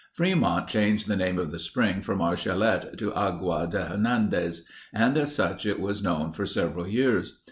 Fremont changed the name of the spring from Archilette to Agua de Hernandez and as such it was known for several years.